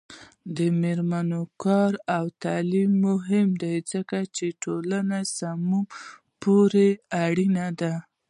د میرمنو کار او تعلیم مهم دی ځکه چې ټولنې سمون لپاره اړین دی.